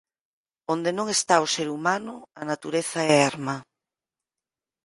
Onde non está o ser humano, a natureza é erma.